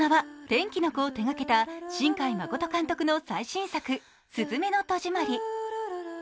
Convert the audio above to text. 「天気の子」を手がけた新海誠監督の最新作「すずめの戸締まり」。